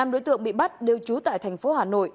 năm đối tượng bị bắt đều trú tại tp hcm